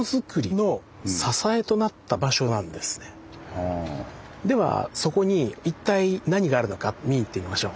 このではそこに一体何があるのか見に行ってみましょう。